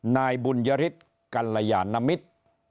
นายบุญยฤทธิ์กัลยานมิตร